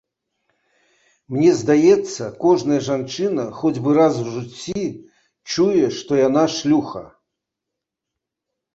Мне здаецца, кожная жанчына хоць бы раз у жыцці чуе, што яна шлюха.